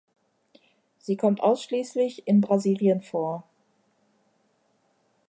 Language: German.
Sie kommt ausschließlich in Brasilien vor.